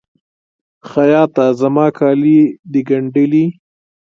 خیاطه! زما کالي د ګنډلي؟